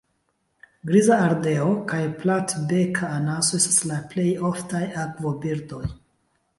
Griza ardeo kaj platbeka anaso estas la plej oftaj akvobirdoj.